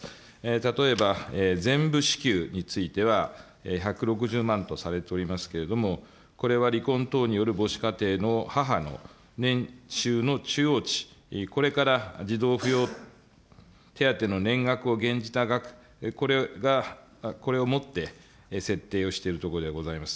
例えば、全部支給については、１６０万とされておりますけれども、これは離婚等による母子家庭の母の年収の中央値、これから児童扶養手当の年額を減じた額、これをもって設定をしているところでございます。